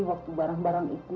waktu barang barang itu